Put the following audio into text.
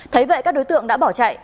thấy vậy các đối tượng đã bỏ chạy